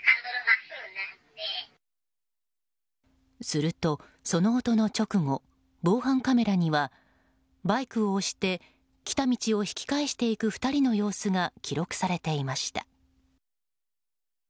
すると、その音の直後防犯カメラには、バイクを押して来た道を引き返していく２人の様子が記録されていました。